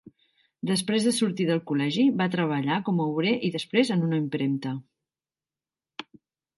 Després de sortir del col·legi va treballar com obrer i després en una impremta.